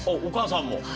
お母さんも？